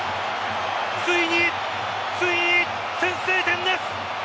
ついに、ついに先制点です！